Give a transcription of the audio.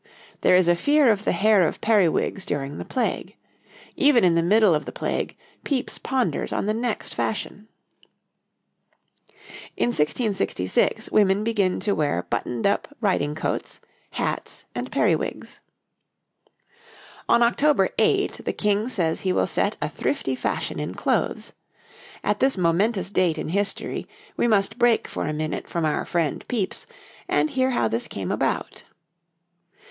There is a fear of the hair of periwigs during the Plague. Even in the middle of the Plague Pepys ponders on the next fashion. In 1666 women begin to wear buttoned up riding coats, hats and periwigs. On October 8 the King says he will set a thrifty fashion in clothes. At this momentous date in history we must break for a minute from our friend Pepys, and hear how this came about.